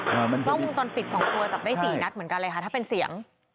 กล้องวงจรปิด๒ตัวจับได้๔นัดเหมือนกันเลยค่ะถ้าเป็นเสียง